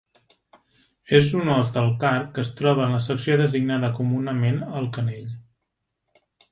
És un os del carp que es troba en la secció designada comunament el canell.